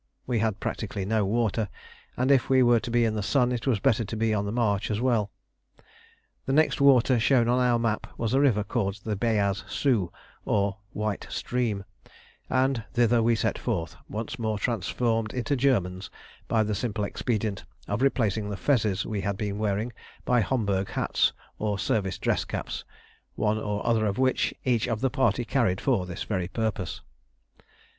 We had practically no water, and if we were to be in the sun it was better to be on the march as well. The next water shown on our map was a river called the Beyaz Sou, or "White Stream," and thither we set forth, once more transformed into Germans by the simple expedient of replacing the fezes we had been wearing by Homburg hats or service dress caps, one or other of which each of the party carried for this very purpose.